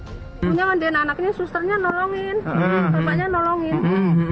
punya mandikan anaknya susternya nolongin bapaknya nolongin